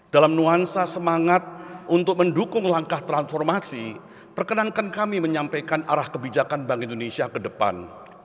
dalam nuansa semangat untuk mendukung langkah transformasi perkenankan kami menyampaikan arah kebijakan bank indonesia ke depan